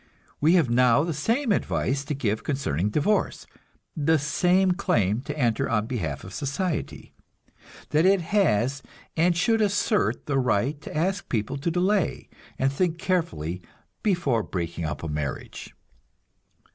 We have now the same advice to give concerning divorce; the same claim to enter on behalf of society that it has and should assert the right to ask people to delay and think carefully before breaking up a marriage.